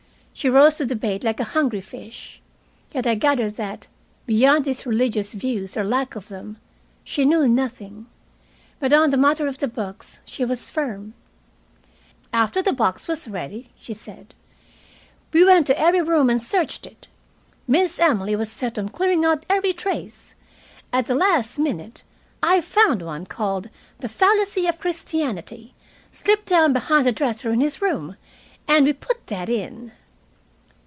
She rose to the bait like a hungry fish. Yet I gathered that, beyond his religious views or lack of them, she knew nothing. But on the matter of the books she was firm. "After the box was ready," she said, "we went to every room and searched it. Miss Emily was set on clearing out every trace. At the last minute I found one called 'The Fallacy of Christianity' slipped down behind the dresser in his room, and we put that in."